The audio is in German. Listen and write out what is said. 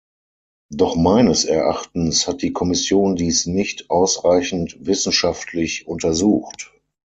Doch meines Erachtens hat die Kommission dies nicht ausreichend wissenschaftlich untersucht.